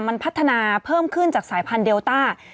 มันพัฒนาเพิ่มขึ้นจากสายพันธุเดลต้า